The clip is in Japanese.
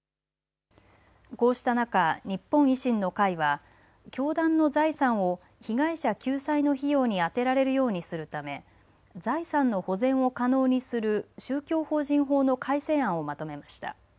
こうした中、日本維新の会は教団の財産を被害者救済の費用に充てられるようにするため財産の保全を可能にする宗教法人法の改正案をまとめました。